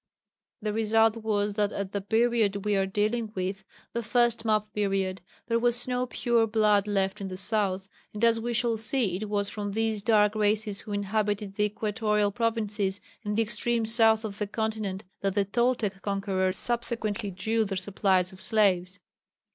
The result was that at the period we are dealing with the first map period there was no pure blood left in the south, and as we shall see it was from these dark races who inhabited the equatorial provinces, and the extreme south of the continent, that the Toltec conquerors subsequently drew their supplies of slaves.